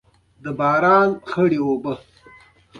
د بومیانو د ځمکو قانون وروسته ځوړتیا په مخه کړې.